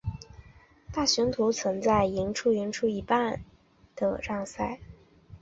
大雄图曾在赢出赢出一哩半的让赛。